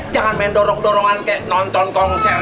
jangan main dorong dorongan kayak nonton konser dangdut begitu aja